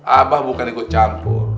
abah bukan ikut campur